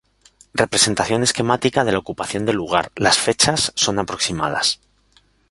Representación esquemática de la ocupación del lugar, las fechas son aproximadas.